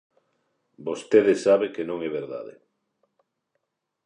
Vostede sabe que non é verdade.